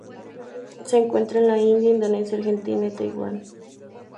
Se encuentra en la India Indonesia, Argentina y Taiwán.